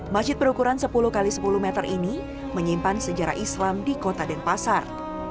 masjid berukuran sepuluh x sepuluh meter ini menyimpan sejarah islam di kota denpasar